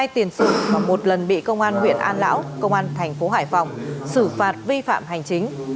hai tiền sự mà một lần bị công an huyện an lão công an thành phố hải phòng xử phạt vi phạm hành chính